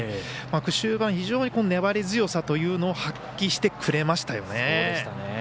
終盤、非常に粘り強さというのを発揮してくれましたよね。